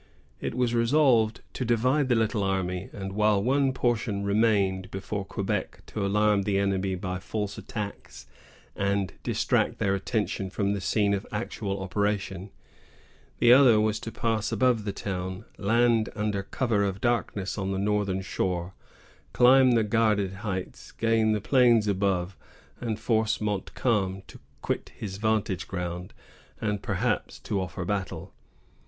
It was resolved to divide the little army; and, while one portion remained before Quebec to alarm the enemy by false attacks, and distract their attention from the scene of actual operation, the other was to pass above the town, land under cover of darkness on the northern shore, climb the guarded heights, gain the plains above, and force Montcalm to quit his vantage ground, and perhaps to offer battle.